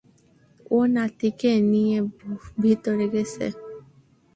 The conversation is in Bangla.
ও নাতিকে নিয়ে ভেতরে গেছে।